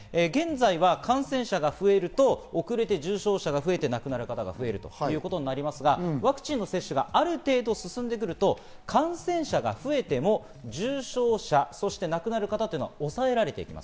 現在は感染者が増えると遅れて重症者が増えて亡くなる方が増えるということになりますが、ワクチンの接種がある程度進んでくると、感染者が増えても、重症者、そして亡くなる方が抑えられています。